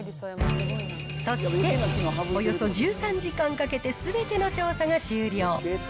そして、およそ１３時間かけてすべての調査が終了。